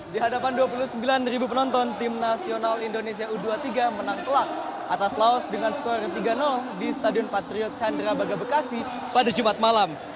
di hadapan dua puluh sembilan ribu penonton tim nasional indonesia u dua puluh tiga menang telak atas laos dengan skor tiga di stadion patriot chandra baga bekasi pada jumat malam